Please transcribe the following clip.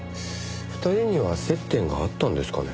２人には接点があったんですかね？